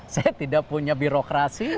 saya tidak punya birokrasi